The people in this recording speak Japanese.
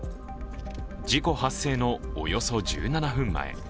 事故発生のおよそ１７分前。